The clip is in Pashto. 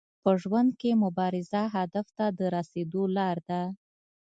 په ژوند کي مبارزه هدف ته د رسیدو لار ده.